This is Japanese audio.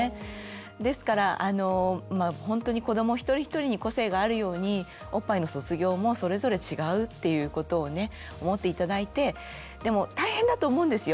ですからほんとに子ども一人一人に個性があるようにおっぱいの卒業もそれぞれ違うっていうことをね思って頂いてでも大変だと思うんですよ